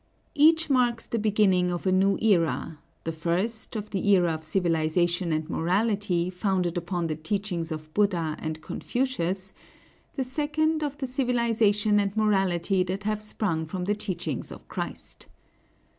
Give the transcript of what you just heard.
Each marks the beginning of a new era, the first, of the era of civilization and morality founded upon the teachings of Buddha and Confucius; the second, of the civilization and morality that have sprung from the teachings of Christ.